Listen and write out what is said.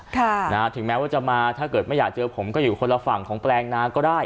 ค่ะนะฮะถึงแม้ว่าจะมาถ้าเกิดไม่อยากเจอผมก็อยู่คนละฝั่งของแปลงนาก็ได้